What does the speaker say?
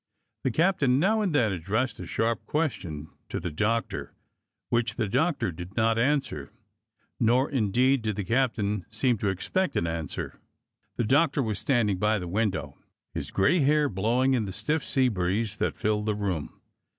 The captain now and then addressed a sharp question to the Doctor, which the Doctor did not answer, nor indeed did the captain seem to expect an answer. The Doctor was standing by the window, his gray hair blowing in the stiff sea breeze that filled the room.